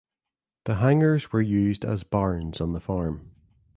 The hangars were used as barns on the farm.